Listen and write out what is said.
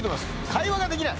「会話ができない」